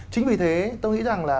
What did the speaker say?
chính vì thế tôi nghĩ rằng là